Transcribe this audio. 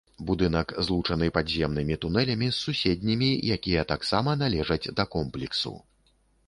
Будынак злучаны падземнымі тунэлямі з суседнімі, якія таксама належаць да комплексу.